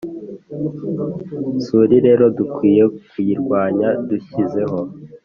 suri rero dukwiye kuyirwanya dushyizeho